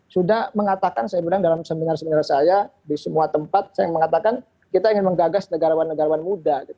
sudah mengatakan saya bilang dalam seminar seminar saya di semua tempat saya mengatakan kita ingin menggagas negarawan negarawan muda